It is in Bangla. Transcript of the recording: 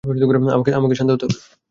আমাকে শান্ত হতে হবে।